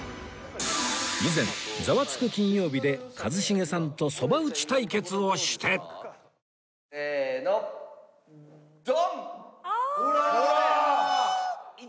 以前『ザワつく！金曜日』で一茂さんとそば打ち対決をしてせーのドン！あーっ！